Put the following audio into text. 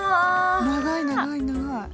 長い長い長い。